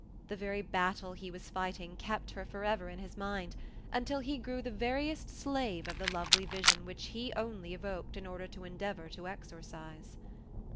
The very battle he was fighting kept her for ever in his mind, until he grew the veriest slave of the lovely vision which he only evoked in order to endeavor to exorcise.